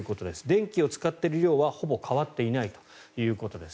電気を使ってる量はほぼ変わっていないということです。